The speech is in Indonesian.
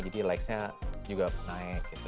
jadi likesnya juga naik gitu